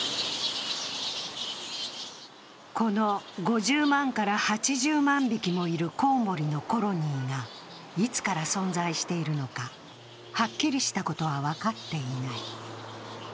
この５０万から８０万匹もいるコウモリのコロニーがいつから存在しているのかはっきりしたことは分かっていない。